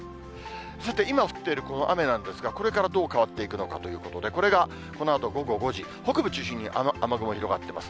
さて、今降っているこの雨なんですが、これからどう変わっていくのかということで、これがこのあと午後５時、北部中心に雨雲広がってます。